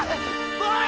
おい！